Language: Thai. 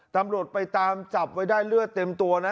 ตำรวจไปตามจับไว้ได้เลือดเต็มตัวนะ